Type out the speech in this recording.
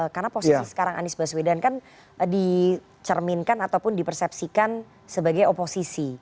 karena posisi sekarang anies baswedan kan dicerminkan ataupun di persepsikan sebagai oposisi